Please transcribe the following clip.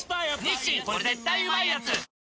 「日清これ絶対うまいやつ」